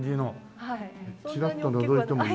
チラッとのぞいてもいいですか？